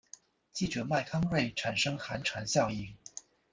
记者麦康瑞产生寒蝉效应。